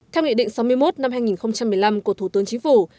theo nghị định sáu mươi một năm hai nghìn một mươi năm của thủ tướng chính phủ